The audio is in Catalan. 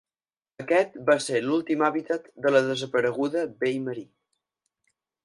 Aquest va ser l'últim hàbitat de la desapareguda vell marí.